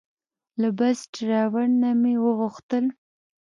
له بس ډریور نه مې وغوښتل.